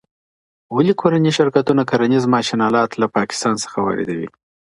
ولي کورني شرکتونه کرنیز ماشین الات له پاکستان څخه واردوي؟